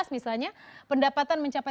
misalnya pendapatan mencapai